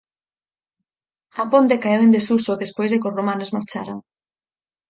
A ponte caeu en desuso despois de que os romanos marcharan.